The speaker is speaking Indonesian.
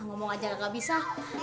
ngomong aja lah ga bisa